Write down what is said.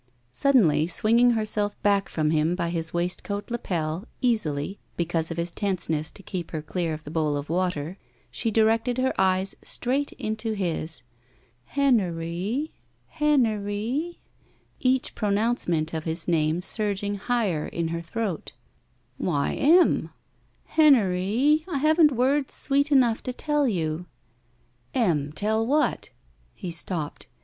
Suddenly, swinging herself back from him by his waistcoat lapel, easily, because of his tenseness to keep her clear of the bowl of water, she directed her eyes straight into his. Hen ery — ^Hen ery," each pronouncement of his name surging higher in her throat. 191, GUILTY "Why, Em?'* Hen ery, I haven't words sweet enough to tell you." Em, tell what?" And stopped.